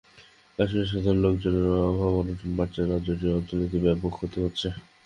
কাশ্মীরের সাধারণ লোকজনের অভাব অনটন বাড়ছে, রাজ্যটির অর্থনীতির ব্যাপক ক্ষতি হচ্ছে।